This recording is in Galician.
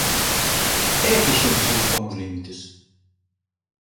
E a que xente se lle pon os límites?